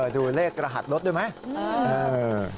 ดูเลขรหัสรถด้วยไหม